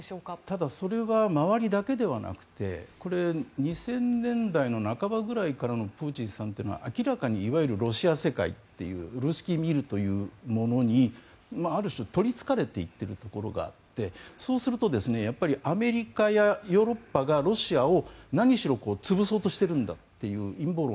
ただそれは周りだけではなくてこれ２０００年代の半ばくらいからのプーチンさんというのは明らかにいわゆるロシア世界というルースキー・ミールというものにある種、取りつかれていっているところがあってそうするとアメリカやヨーロッパがロシアを何しろ潰そうとしているんだという陰謀論。